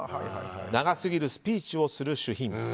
長すぎるスピーチをする主賓。